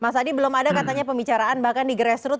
masadi belum ada katanya pembicaraan bahkan di grassroot